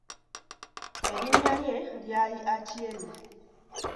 Erinnya lye ly'ali Atieno.